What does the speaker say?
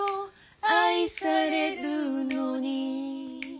「愛されるのに」